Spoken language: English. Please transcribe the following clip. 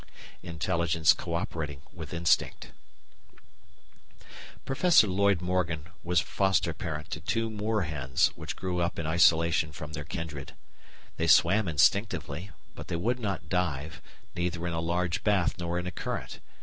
Intelligence co operating with Instinct Professor Lloyd Morgan was foster parent to two moorhens which grew up in isolation from their kindred. They swam instinctively, but they would not dive, neither in a large bath nor in a current.